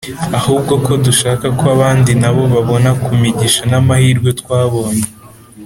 , ahubwo ko dushaka ko abandi na bo babona ku migisha n’amahirwe twabonye